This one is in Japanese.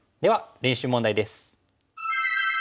練習問題です。